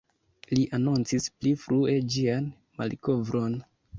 Li anoncis pli frue ĝian malkovron.